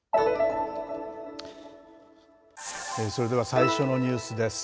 それでは最初のニュースです。